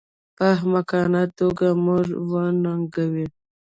په احمقانه توګه موږ وننګوي